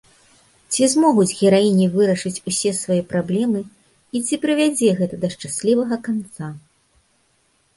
Ці змогуць гераіні вырашыць усе свае праблемы і ці прывядзе гэта да шчаслівага канца?